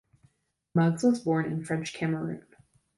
Muggs was born in French Cameroon.